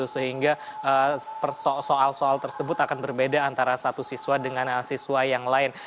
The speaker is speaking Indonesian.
sehingga soal soal tersebut akan berbeda antara satu siswa dengan siswa yang lain